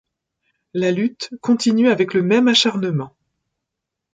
La lutte continue avec le même acharnement.